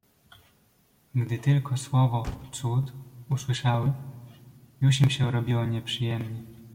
"Gdy tylko słowo „cud“ usłyszały, już im się robiło nieprzyjemnie."